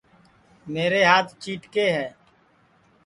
میرے ہات چِیٹکے ہے